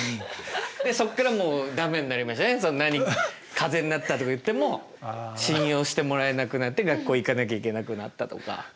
「風邪になった」とか言っても信用してもらえなくなって学校行かなきゃいけなくなったとか。